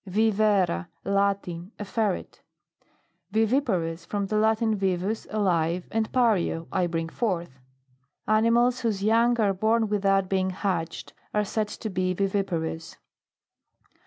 VIVERRA. Latin. A ferret. VIVIPAROUS. From the Latin, vivus, alive, and^ario, I bring forth. Ani mals whose young are born with out being hatched, are said to be viviparous.